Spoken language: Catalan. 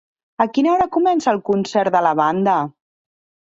A quina hora comença el concert de la banda?